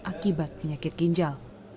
akibat penyakit ginjal